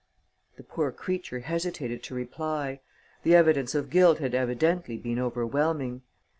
The poor creature hesitated to reply: the evidence of guilt had evidently been overwhelming.